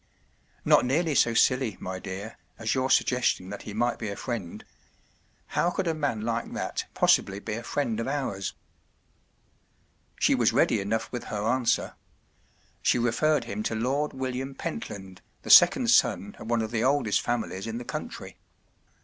“ Not nearly so silly, my dear, as your suggestion that he might be a friend. How could a man like that possibly be a friend of ours ? ” She was ready enough with her answer. She referred him to Lord William Pentland, the second son of one of the oldest families in the country.